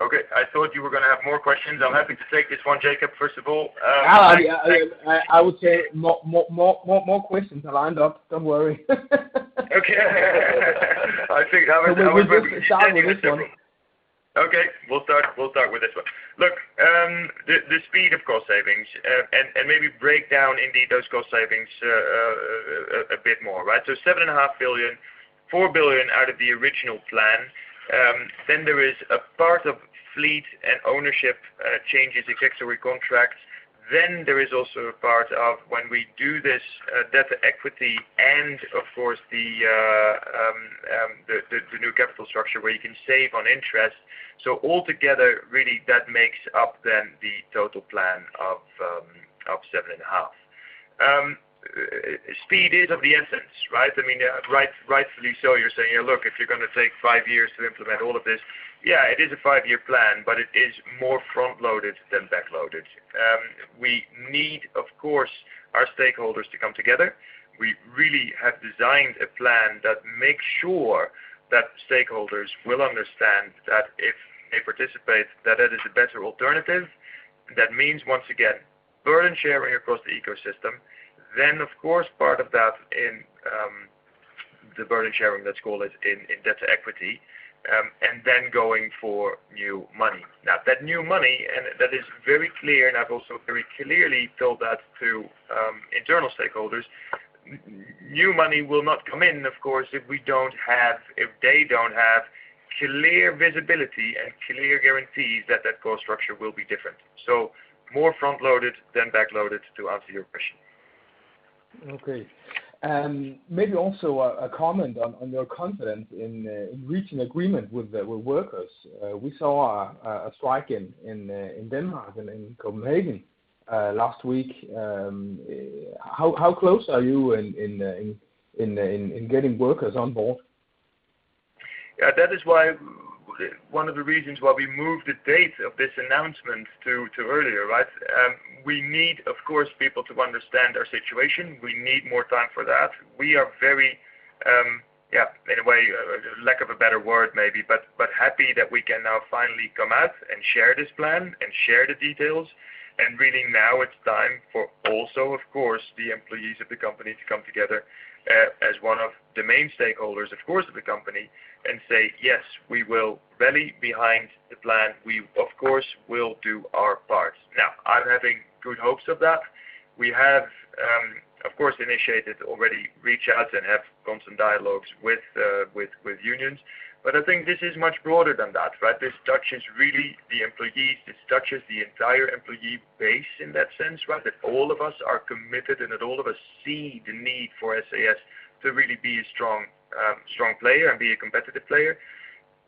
Speaker 3: Okay. I thought you were gonna have more questions. I'm happy to take this one, Jacob, first of all.
Speaker 6: I would say more questions lined up. Don't worry.
Speaker 3: Okay. I think I was maybe
Speaker 6: We'll start with this one.
Speaker 3: Okay. We'll start with this one. Look, the speed of cost savings, and maybe break down indeed those cost savings, a bit more, right? So 7.5 billion, 4 billion out of the original plan. Then there is a part of fleet and ownership changes, ancillary contracts. Then there is also a part of when we do this, debt equity and of course the new capital structure where you can save on interest. So all together, really that makes up then the total plan of 7.5 billion. Speed is of the essence, right? I mean, right, rightfully so, you're saying, look, if you're gonna take five years to implement all of this. Yeah, it is a five-year plan, but it is more front-loaded than back-loaded. We need, of course, our stakeholders to come together. We really have designed a plan that makes sure that stakeholders will understand that if they participate, that that is a better alternative. That means, once again, burden-sharing across the ecosystem. Of course, part of that in the burden-sharing, let's call it in debt to equity, and then going for new money. Now, that new money, and that is very clear, and I've also very clearly told that to internal stakeholders. New money will not come in, of course, if they don't have clear visibility and clear guarantees that that cost structure will be different. More front-loaded than back-loaded to answer your question.
Speaker 6: Okay. Maybe also a comment on your confidence in reaching agreement with the workers. We saw a strike in Denmark, in Copenhagen, last week. How close are you to getting workers on board?
Speaker 3: That is why one of the reasons why we moved the date of this announcement to earlier, right? We need, of course, people to understand our situation. We need more time for that. We are very, in a way, lack of a better word maybe, but happy that we can now finally come out and share this plan and share the details. Really now it's time for also, of course, the employees of the company to come together, as one of the main stakeholders, of course, of the company and say, "Yes, we will rally behind the plan. We, of course, will do our part." Now, I'm having good hopes of that. We have, of course, initiated already reach out and have constant dialogues with unions. I think this is much broader than that, right? This touches really the employees. This touches the entire employee base in that sense, right? That all of us are committed and that all of us see the need for SAS to really be a strong player and be a competitive player.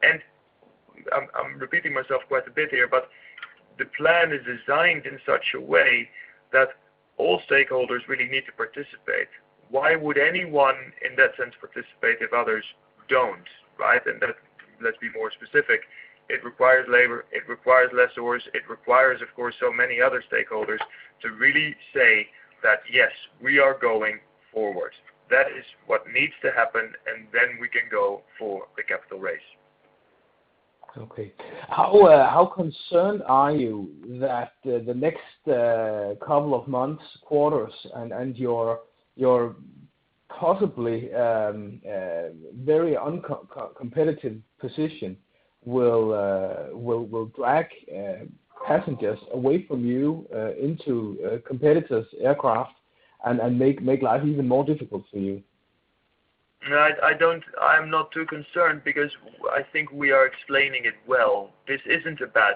Speaker 3: I'm repeating myself quite a bit here, but the plan is designed in such a way that all stakeholders really need to participate. Why would anyone in that sense participate if others don't, right? That, let's be more specific. It requires labor, it requires lessors, it requires, of course, so many other stakeholders to really say that, "Yes, we are going forward." That is what needs to happen, and then we can go for the capital raise.
Speaker 6: Okay. How concerned are you that the next couple of months, quarters, and your possibly very uncompetitive position will drag passengers away from you into competitors' aircraft and make life even more difficult for you?
Speaker 3: No, I'm not too concerned because I think we are explaining it well. This isn't about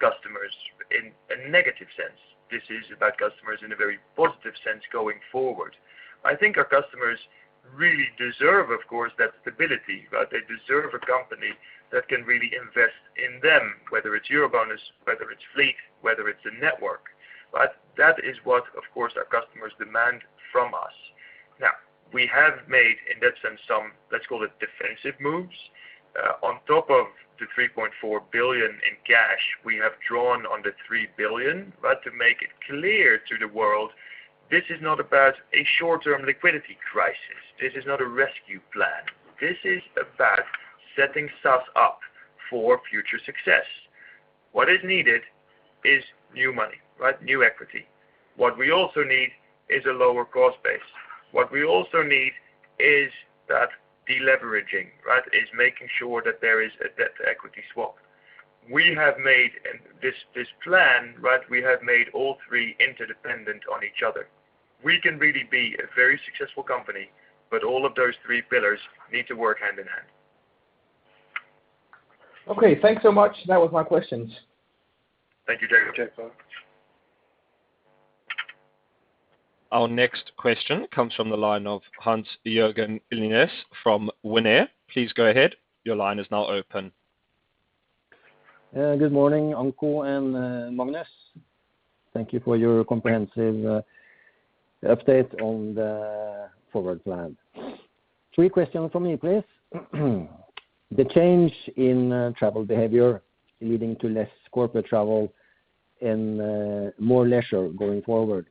Speaker 3: customers in a negative sense. This is about customers in a very positive sense going forward. I think our customers really deserve, of course, that stability, right? They deserve a company that can really invest in them, whether it's EuroBonus, whether it's fleet, whether it's a network, right? That is what, of course, our customers demand from us. Now, we have made, in that sense, some, let's call it, defensive moves. On top of the 3.4 billion in cash, we have drawn on the 3 billion, but to make it clear to the world this is not about a short-term liquidity crisis. This is not a rescue plan. This is about setting SAS up for future success. What is needed is new money, right? New equity. What we also need is a lower cost base. What we also need is that deleveraging, right, making sure that there is a debt equity swap. We have made in this plan, right, all three interdependent on each other. We can really be a very successful company, but all of those three pillars need to work hand in hand.
Speaker 6: Okay, thanks so much. That was my questions.
Speaker 3: Thank you, Jacob.
Speaker 1: Our next question comes from the line of Hans Jørgen Elnæs from WINAIR. Please go ahead. Your line is now open.
Speaker 7: Good morning, Anko and Magnus. Thank you for your comprehensive update on the forward plan. Three questions from me, please. The change in travel behavior leading to less corporate travel and more leisure going forward.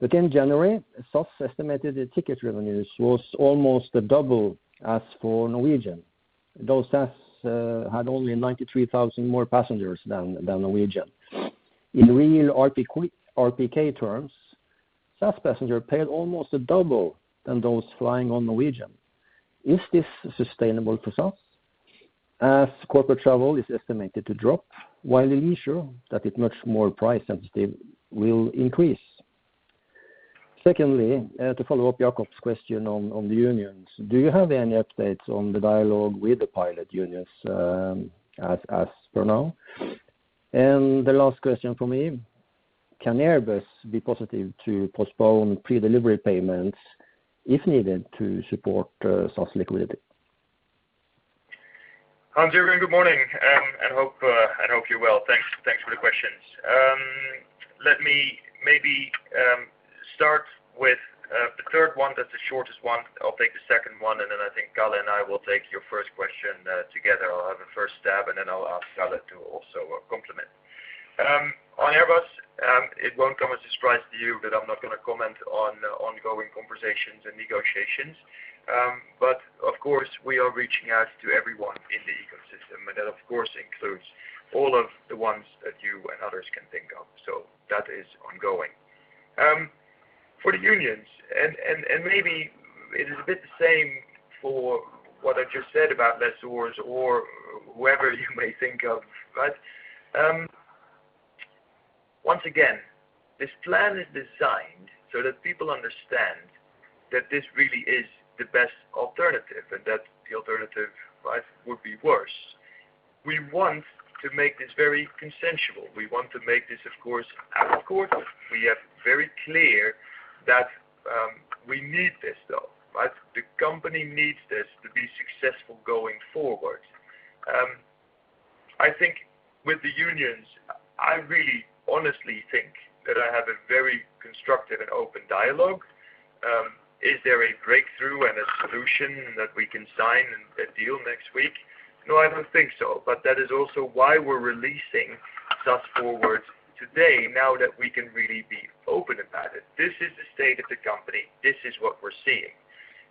Speaker 7: In January, SAS estimated the ticket revenues was almost double as for Norwegian, though SAS had only 93,000 more passengers than Norwegian. In real RPK terms, SAS passengers paid almost double than those flying on Norwegian. Is this sustainable for SAS? As corporate travel is estimated to drop while the leisure, that is much more price sensitive will increase. Secondly, to follow up Jacob's question on the unions, do you have any updates on the dialogue with the pilot unions, as for now? The last question from me, can Airbus be positive to postpone pre-delivery payments if needed to support SAS liquidity?
Speaker 3: Hans Jørgen, good morning. I hope you're well. Thanks for the questions. Let me maybe start with the third one. That's the shortest one. I'll take the second one, and then I think Karl and I will take your first question together. I'll have a first stab, and then I'll ask Karl to also complement. On Airbus, it won't come as a surprise to you that I'm not gonna comment on ongoing conversations and negotiations. But of course, we are reaching out to everyone in the ecosystem, and that of course includes all of the ones that you and others can think of. So that is ongoing. For the unions, and maybe it is a bit the same for what I just said about lessors or whoever you may think of. Once again, this plan is designed so that people understand that this really is the best alternative and that the alternative, right, would be worse. We want to make this very consensual. We want to make this, of course, out of court. We have very clear that we need this, though, right? The company needs this to be successful going forward. I think with the unions, I really honestly think that I have a very constructive and open dialogue. Is there a breakthrough and a solution that we can sign and a deal next week? No, I don't think so. That is also why we're releasing SAS FORWARD today now that we can really be open about it. This is the state of the company. This is what we're seeing.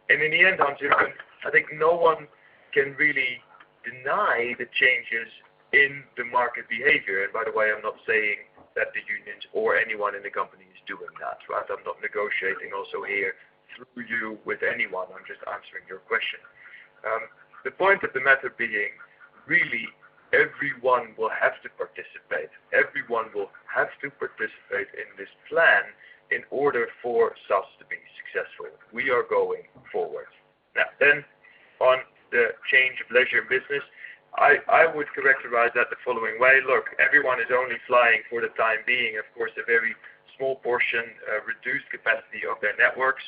Speaker 3: In the end, Hans Jørgen, I think no one can really deny the changes in the market behavior. By the way, I'm not saying that the unions or anyone in the company is doing that, right? I'm not negotiating also here through you with anyone. I'm just answering your question. The point of the matter being, really everyone will have to participate. Everyone will have to participate in this plan in order for SAS to be successful. We are going forward. Now on the change of leisure and business, I would characterize that the following way. Look, everyone is only flying for the time being, of course, a very small portion, reduced capacity of their networks.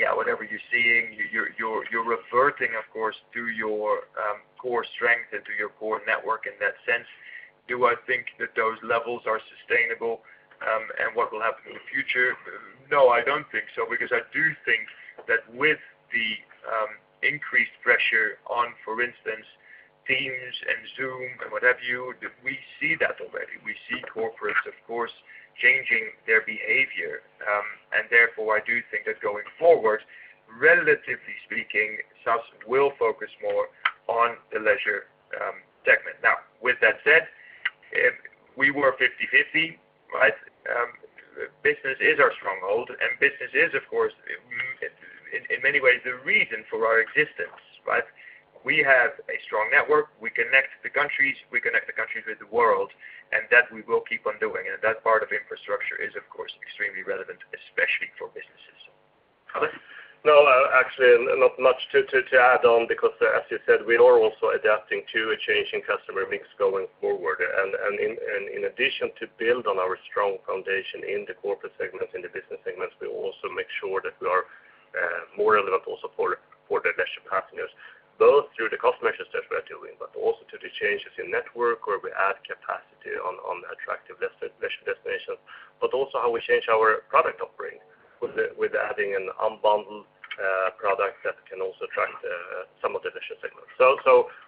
Speaker 3: Yeah, whatever you're seeing, you're reverting, of course, to your core strength and to your core network in that sense. Do I think that those levels are sustainable, and what will happen in the future? No, I don't think so because I do think that with the increased pressure on, for instance, Teams and Zoom and what have you, we see that already. We see corporates, of course, changing their behavior. Therefore, I do think that going forward, relatively speaking, SAS will focus more on the leisure segment. Now, with that said, if we were 50/50, right? Business is our stronghold, and business is of course in many ways the reason for our existence, right? We have a strong network. We connect the countries. We connect the countries with the world, and that we will keep on doing. That part of infrastructure is, of course, extremely relevant, especially for businesses. Karl?
Speaker 5: No, actually not much to add on because as you said, we are also adapting to a change in customer mix going forward. In addition to build on our strong foundation in the corporate segments, in the business segments, we also make sure that we are more relevant also for the leisure partners, both through the cost measures that we are doing, but also through the changes in network, where we add capacity on attractive leisure destinations, but also how we change our product offering with adding an unbundled product that can also attract some of the leisure segments.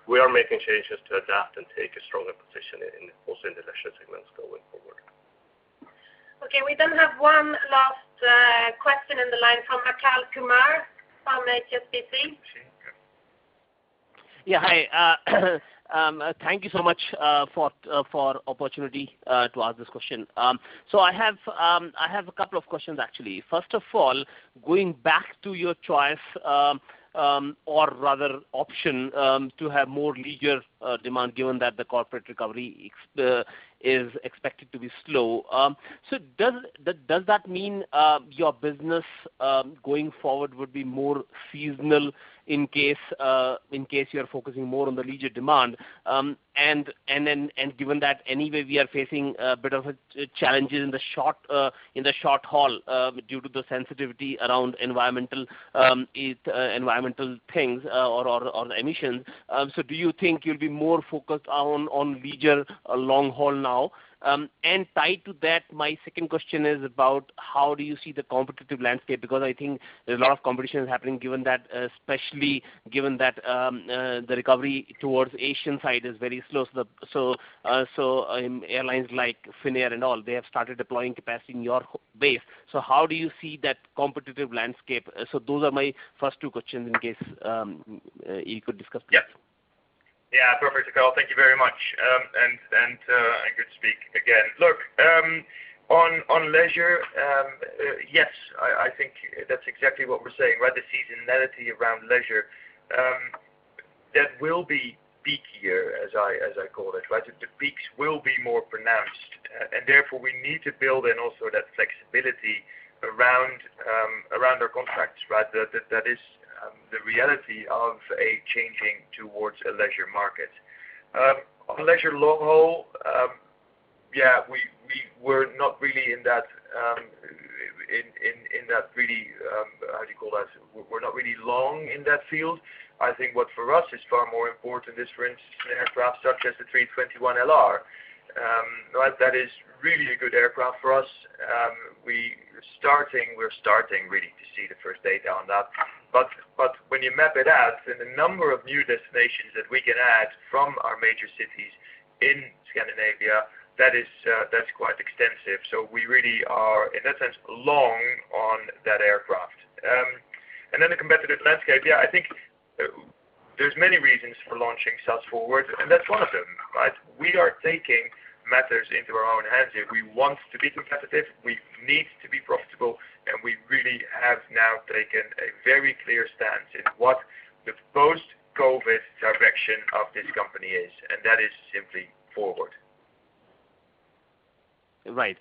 Speaker 5: We are making changes to adapt and take a stronger position in the leisure segments going forward.
Speaker 2: Okay. We have one last question in the line from Akash Kumar from HSBC.
Speaker 3: Okay.
Speaker 8: Yeah. Hi. Thank you so much for opportunity to ask this question. I have a couple of questions, actually. First of all, going back to your choice, or rather option, to have more leisure demand, given that the corporate recovery is expected to be slow. Does that mean your business going forward would be more seasonal in case you are focusing more on the leisure demand? Given that anyway, we are facing a bit of a challenges in the short haul due to the sensitivity around environmental things or emissions. Do you think you'll be more focused on leisure long haul now? Tied to that, my second question is about how do you see the competitive landscape? Because I think there's a lot of competition happening given that, especially given that, the recovery towards Asian side is very slow. Airlines like Finnair and all, they have started deploying capacity in your base. How do you see that competitive landscape? Those are my first two questions in case you could discuss them.
Speaker 3: Yeah. Yeah. Perfect, Akash. Thank you very much. I could speak again. Look, on leisure, yes, I think that's exactly what we're saying, right? The seasonality around leisure, that will be peakier as I call it, right? The peaks will be more pronounced, and therefore we need to build in also that flexibility around our contracts, right? That is the reality of a changing towards a leisure market. On leisure long haul, yeah, we were not really in that. How do you call that? We're not really long in that field. I think what for us is far more important is for instance, an aircraft such as the A321LR, right? That is really a good aircraft for us. We're starting really to see the first data on that. But when you map it out, then the number of new destinations that we can add from our major cities in Scandinavia, that is, that's quite extensive. We really are, in that sense, long on that aircraft. Then the competitive landscape, yeah, I think, there's many reasons for launching SAS FORWARD, and that's one of them, right? We are taking matters into our own hands here. We want to be competitive, we need to be profitable, and we really have now taken a very clear stance in what the post-COVID direction of this company is, and that is simply forward.
Speaker 8: I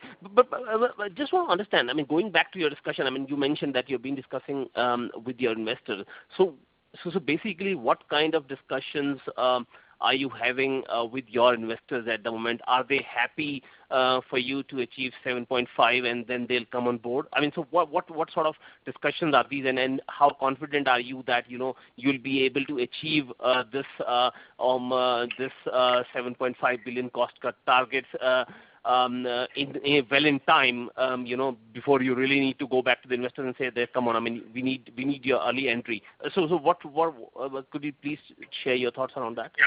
Speaker 8: just want to understand, I mean, going back to your discussion, I mean, you mentioned that you've been discussing with your investors. Basically, what kind of discussions are you having with your investors at the moment? Are they happy for you to achieve 7.5 and then they'll come on board? I mean, so what sort of discussions are these? How confident are you that, you know, you'll be able to achieve this 7.5 billion cost cut targets in, well, in time, you know, before you really need to go back to the investor and say, "Come on, I mean, we need your equity." Could you please share your thoughts around that?
Speaker 3: Yeah.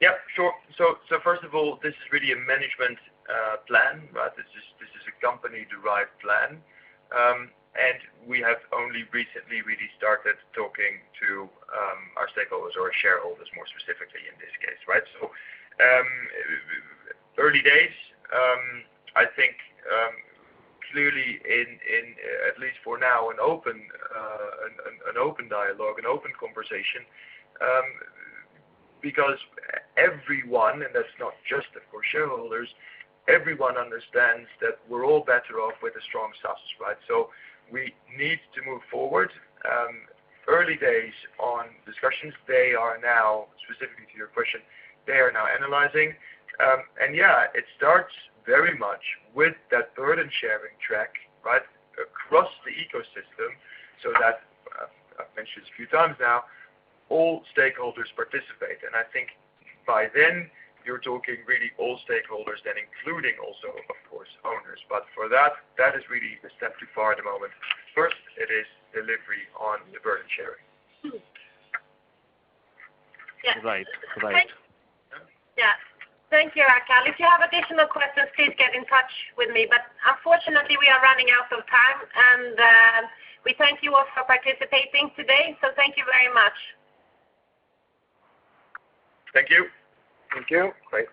Speaker 3: Yeah, sure. First of all, this is really a management plan, right? This is a company-derived plan. We have only recently really started talking to our stakeholders or shareholders, more specifically in this case, right? Early days, I think, clearly, at least for now, an open dialogue, an open conversation, because everyone, and that's not just of course shareholders, everyone understands that we're all better off with a strong SAS, right? We need to move forward. Early days on discussions, they are now, specifically to your question, analyzing. Yeah, it starts very much with that burden-sharing track, right? Across the ecosystem, I've mentioned a few times now, all stakeholders participate. I think by then you're talking really all stakeholders, and including also, of course, owners. But for that, it is really a step too far at the moment. First, it is delivery on the burden sharing.
Speaker 8: Right.
Speaker 2: Yeah. Thank you, Rakel. If you have additional questions, please get in touch with me. Unfortunately, we are running out of time, and we thank you all for participating today. Thank you very much.
Speaker 3: Thank you.
Speaker 8: Thank you. Bye.